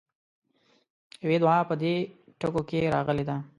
يوې دعا په دې ټکو کې راغلې ده.